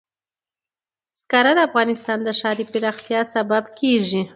زغال د افغانستان د ښاري پراختیا سبب کېږي.